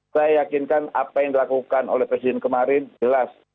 saya yakinkan apa yang dilakukan oleh presiden kemarin jelas